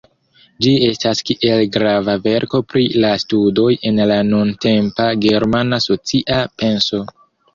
Ĝi statas kiel grava verko pri la studoj en la nuntempa germana socia penso.